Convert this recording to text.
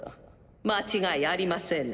間違いありませんね？